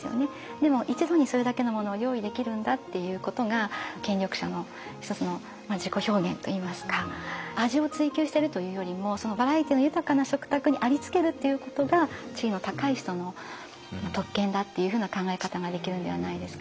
でも一度にそれだけのものを用意できるんだっていうことが権力者の一つの自己表現といいますか味を追求しているというよりもバラエティーの豊かな食卓にありつけるっていうことが地位の高い人の特権だっていうふうな考え方ができるんではないですかね。